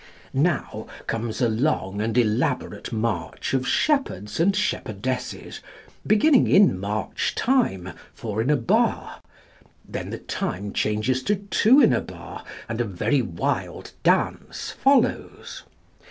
Now comes a long and elaborate march of shepherds and shepherdesses, beginning in march time, four in a bar; then the time changes to two in a bar, and a very wild dance follows.